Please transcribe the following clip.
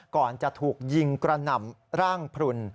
ก่อนจะถูกยิงกระหน่ำร่างพลุน